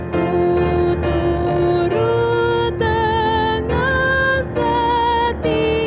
ku turut dengan setia